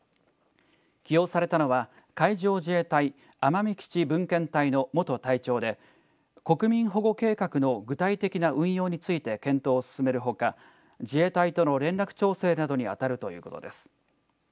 起用されたのは海上自衛隊奄美基地分遣隊の元隊長で国民保護計画の具体的な運用について検討を進めるほか自衛隊との連絡調整などに当たるということです。